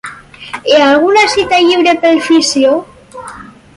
Hi ha alguna cita lliure pel fisio?